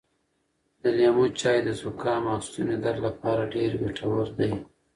د لیمو چای د زکام او ستوني درد لپاره ډېر ګټور دی.